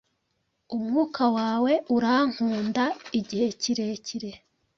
Umwuka wawe urankunda igihe kirekire